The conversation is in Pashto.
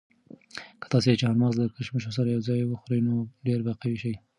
که تاسي چهارمغز له کشمشو سره یو ځای وخورئ نو ډېر به قوي شئ.